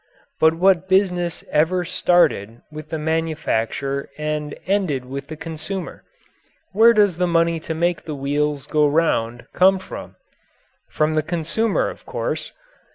But what business ever started with the manufacturer and ended with the consumer? Where does the money to make the wheels go round come from? From the consumer, of course.